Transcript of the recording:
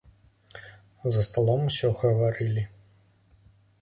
За сталом усё гаварылі.